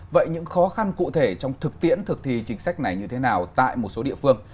vậy những khó khăn cụ thể trong thực tiễn thực thi chính sách này như thế nào tại một số địa phương